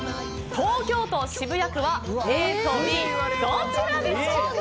東京都渋谷区はＡとＢどちらでしょうか？